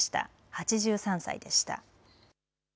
８３歳でした。